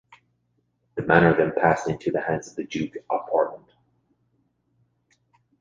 The manor then passed into the hands of the Duke of Portland.